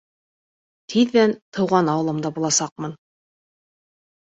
Тиҙҙән тыуған ауылымда буласаҡмын.